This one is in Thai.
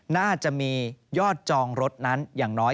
น่าจะมียอดจองรถนั้นอย่างน้อย